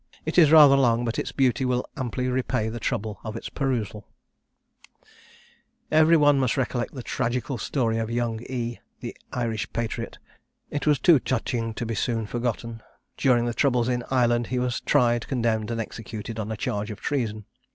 It is rather long, but its beauty will amply repay the trouble of its perusal: "Every one must recollect the tragical story of young E , the Irish patriot; it was too touching to be soon forgotten. During the troubles in Ireland he was tried, condemned, and executed, on a charge of treason.